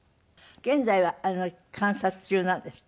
現在は観察中なんですって？